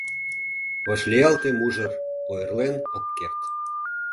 Вашлиялте мужыр, ойырлен ок керт.